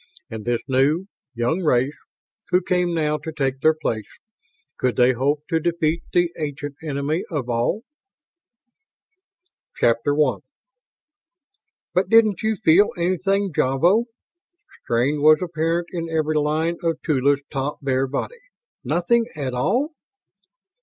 And this new, young race who came now to take their place could they hope to defeat the ancient Enemy of All? I "But didn't you feel anything, Javo?" Strain was apparent in every line of Tula's taut, bare body. "Nothing at all?"